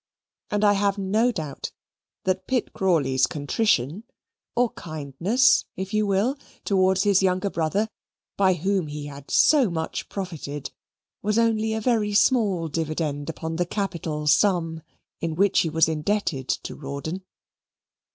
And I have no doubt that Pitt Crawley's contrition, or kindness if you will, towards his younger brother, by whom he had so much profited, was only a very small dividend upon the capital sum in which he was indebted to Rawdon.